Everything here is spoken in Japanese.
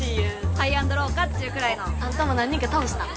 「ＨｉＧＨ＆ＬＯＷ」かっちゅうくらいの・あんたも何人か倒したん？